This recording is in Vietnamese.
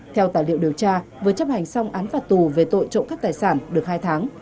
theo tài liệu điều tra vừa chấp hành xong án phạt tù về tội trộm cắt tài sản được hai tháng